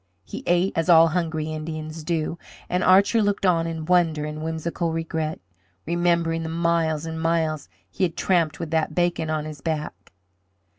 He ate as all hungry Indians do; and Archer looked on in wonder and whimsical regret, remembering the miles and miles he had tramped with that bacon on his back.